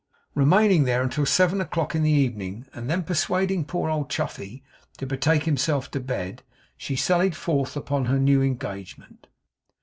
Remaining there until seven o'clock in the evening, and then persuading poor old Chuffey to betake himself to bed, she sallied forth upon her new engagement.